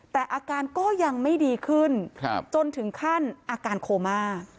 แต่อาการก็ยังไม่ดีขึ้นจนถึงขั้นอาการโคม่า